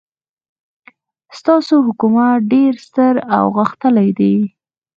ستاسو حکومت ډېر ستر او غښتلی دی.